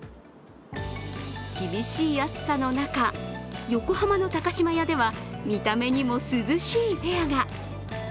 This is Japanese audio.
厳しい暑さの中、横浜の高島屋では見た目にも涼しいフェアが。